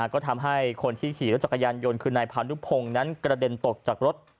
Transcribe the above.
ก็ทำให้คนที่ขี่รถจักรยานยนต์คือนายพานุพงศ์นั้นกระเด็นตกจากรถ